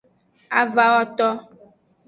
Avawoto.